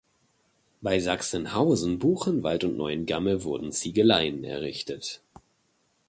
Bei Sachsenhausen, Buchenwald und Neuengamme wurden Ziegeleien errichtet.